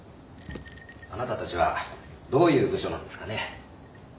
あなたたちはどういう部署なんですかね。